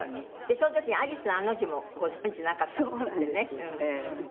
その時に、アリスの「ア」の字もご存じなかったんですってね。